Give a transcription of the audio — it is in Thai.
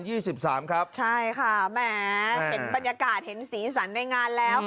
ใช่ค่ะแหมเห็นบรรยากาศเห็นสีสันในงานแล้ว